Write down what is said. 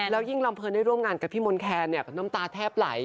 แล้วยิ่งลำเนินได้ร่วมงานกับพี่มนต์แคนน้ำตาแทบไหล